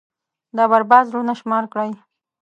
دا بـربـاد زړونه شمار كړئ.